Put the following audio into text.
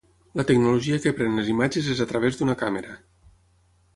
La tecnologia que pren les imatges és a través d'una càmera.